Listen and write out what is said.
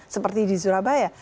seperti di surabaya